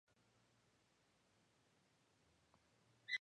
Un grupo de turistas recorre Buenos Aires en un ómnibus descubierto.